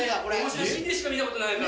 写真でしか見たことない。